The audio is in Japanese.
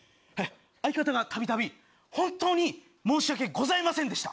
相方がたびたび本当に申し訳ございませんでした。